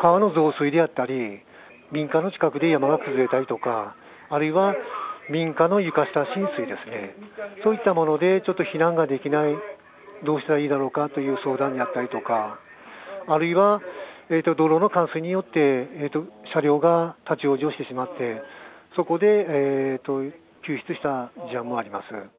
川の増水であったり、民家の近くで山が崩れたりとか、あるいは民家の床下浸水ですね、そういったものでちょっと避難ができない、どうしたらいいんだろうかという相談だったりとか、あるいは道路の冠水によって車両が立往生してしまって、そこで救出した事案もあります。